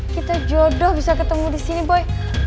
kita jodoh bisa ketemu disini boy